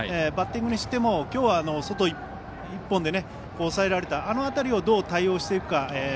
バッティングにしても今日は外１本で抑えられたあの辺りをどう対応していくか。